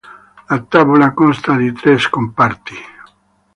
La tavola consta di tre scomparti.